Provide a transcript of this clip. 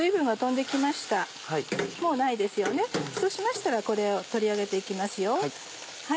そうしましたらこれを取り上げて行きますよ。